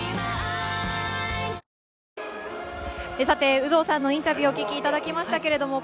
有働さんのインタビューをお聞きいただきました。